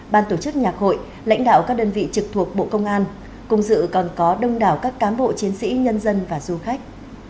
ban tổ chức nhạc hội lãnh đạo các đơn vị trực thuộc bộ công an cùng dự còn có đông đảo các cán bộ chiến sĩ nhân dân và du khách